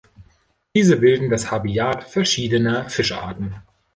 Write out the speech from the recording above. Diese bilden das Habitat verschiedener Fischarten.